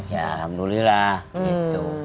ya alhamdulillah gitu